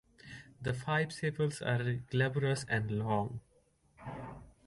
The five sepals are glabrous and long.